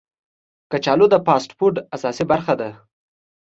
کچالو د فاسټ فوډ اساسي برخه ده